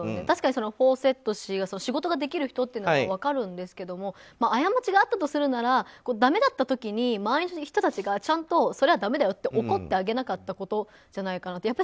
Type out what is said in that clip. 確かにフォーセット氏が仕事ができる人というのは分かるんですけども過ちがあったとするならだめだった時に周りの人たちがちゃんとそれはだめだよって怒ってあげなかったことじゃないかなと。